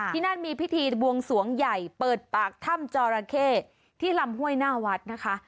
ที่นั่นมีพิธีบวงสวงใหญ่เปิดปากถ้ำจอราเข้ที่ลำห้วยหน้าวัดนะคะ